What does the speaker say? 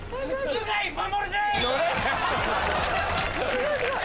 すごいすごい！